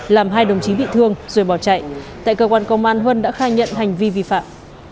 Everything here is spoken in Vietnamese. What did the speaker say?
làm hai đồng chí bị thương rồi bỏ chạy tại cơ quan công an huân đã khai nhận hành vi vi phạm